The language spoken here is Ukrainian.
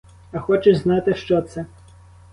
А хочеш знати, що це?